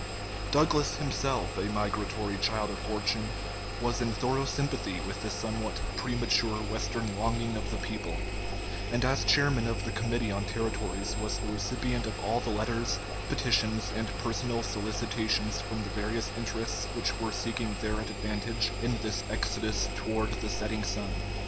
] Douglas, himself a migratory child of fortune, was in thorough sympathy with this somewhat premature Western longing of the people; and as chairman of the Committee on Territories was the recipient of all the letters, petitions, and personal solicitations from the various interests which were seeking their advantage in this exodus toward the setting sun.